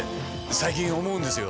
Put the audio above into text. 最近思うんですよ。